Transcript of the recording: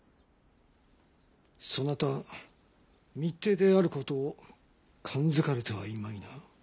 そなた密偵であることを勘づかれてはいまいな。